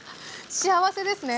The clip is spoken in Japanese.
幸せですね